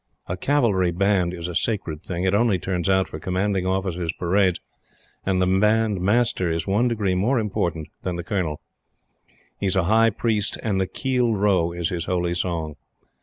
A Cavalry Band is a sacred thing. It only turns out for Commanding Officers' parades, and the Band Master is one degree more important than the Colonel. He is a High Priest and the "Keel Row" is his holy song.